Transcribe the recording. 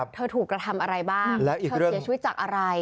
เธอถูกกระทำอะไรบ้างเธอเสียชีวิตจากอะไร